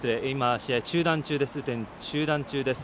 試合が雨天中断中です。